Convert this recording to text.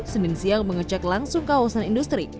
senin siang mengecek langsung kawasan industri